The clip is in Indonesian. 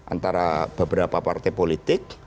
antara beberapa partai politik